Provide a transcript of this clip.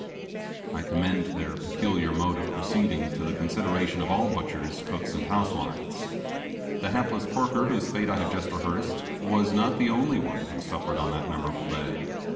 I commend their peculiar mode of proceeding to the consideration of all butchers, cooks, and housewives. The hapless porker whose fate I have just rehearsed, was not the only one who suffered in that memorable day.